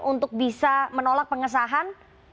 untuk bisa menolak pengesahan